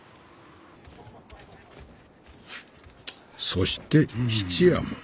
「そして質屋も。